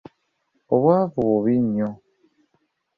Obwavu bubi nnyo.